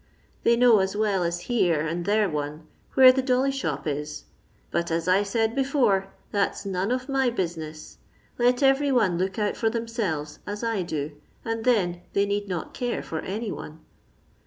They know, as well as here and there one, where the dolly shop is ; bnt, as I said hrfore, that *s none of my business. Let every one look out for themselves, as I do, and then they need not care for any one."